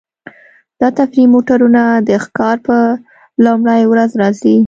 دا تفریحي موټرونه د ښکار په لومړۍ ورځ راځي